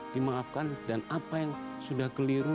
dimaafkan dan apa yang sudah keliru